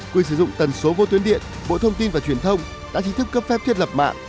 quyền sử dụng tần số vô tuyến điện bộ thông tin và truyền thông đã chính thức cấp phép thiết lập mạng